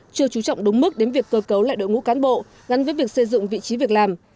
chưa chú trọng đúng mức đến việc cơ cấu lại đội ngũ cán bộ gắn với việc xây dựng vị trí việc làm